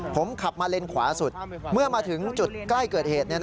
ผมขับมาเลนขวาสุดเมื่อมาถึงจุดใกล้เกิดเหตุ